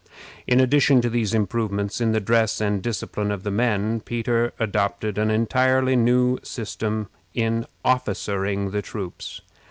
In addition to these improvements in the dress and discipline of the men, Peter adopted an entirely new system in officering his troops.